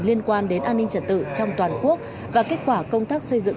liên quan đến an ninh trật tự trong toàn quốc và kết quả công tác xây dựng